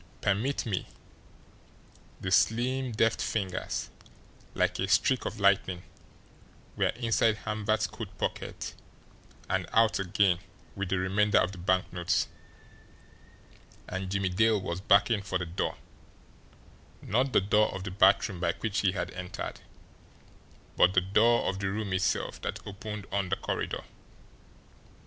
Permit me" the slim, deft fingers, like a streak of lightning, were inside Hamvert's coat pocket and out again with the remainder of the banknotes and Jimmie Dale was backing for the door not the door of the bathroom by which he had entered, but the door of the room itself that opened on the corridor.